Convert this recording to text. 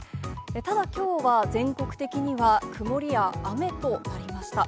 ただきょうは、全国的には曇りや雨となりました。